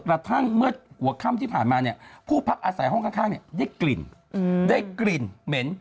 กระทั่งเมื่อหัวค่ำที่ผ่านมาผู้พักอาศัยห้องข้างได้กลิ่นเหม็น